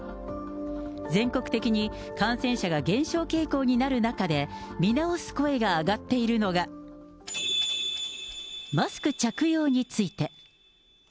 全国的に感染者が減少傾向になる中で、見直す声が上がっているのが、マスク着用について。